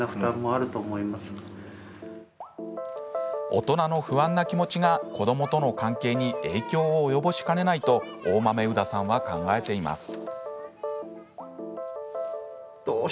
大人の不安な気持ちが子どもとの関係に影響を及ぼしかねないと大豆生田さんは考えています。